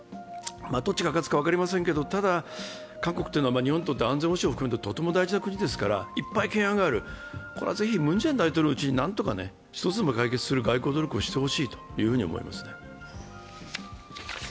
どっちが勝つか分かりませんけど、ただ韓国は日本にとって安全保障を含めて大事な国ですからいっぱい懸案がある、これはムン・ジェイン大統領のうちに何とか１つでも解決する外交努力をしてほしいと思います。